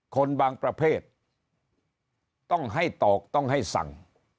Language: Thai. คนบางประเภทต้องให้ตอกต้องให้สั่ง